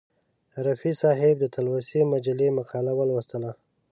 رفیع صاحب د تلوسې مجلې مقاله ولوستله.